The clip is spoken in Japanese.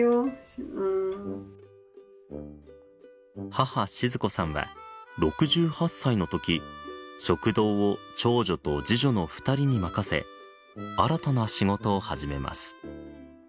母静子さんは６８歳のとき食堂を長女と次女の２人に任せ新たな仕事を始めます。